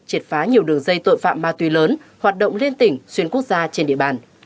triệt phá nhiều đường dây tội phạm ma túy lớn hoạt động liên tỉnh xuyên quốc gia trên địa bàn